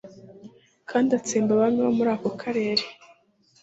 kandi atsemba abami bo muri ako karere